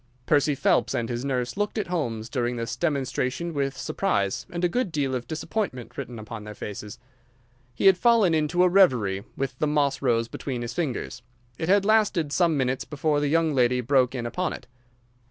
Percy Phelps and his nurse looked at Holmes during this demonstration with surprise and a good deal of disappointment written upon their faces. He had fallen into a reverie, with the moss rose between his fingers. It had lasted some minutes before the young lady broke in upon it.